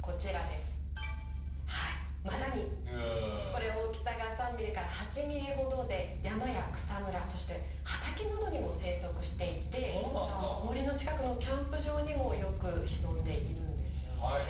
これ大きさが３ミリから８ミリほどで山や草むらそして畑などにも生息していて森の近くのキャンプ場にもよく潜んでいるんですよね。